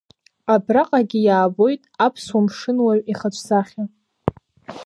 Абраҟагьы иаабоит аԥсуа мшынуаҩ ихаҿсахьа.